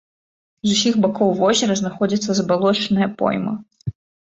З усіх бакоў возера знаходзіцца забалочаная пойма.